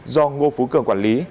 do ngô phú cường quản lý